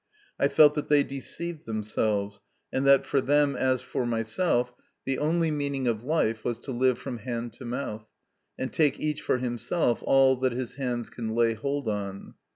I felt that they deceived themselves, and that for them, as for myself, the only 96 MY CONFESSION. meaning of life was to live from hand to mouth, and take each for himself all that his hands can lay hold on.